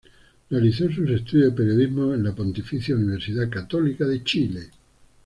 Realizó sus estudios de periodismo en la Pontificia Universidad Católica de Chile.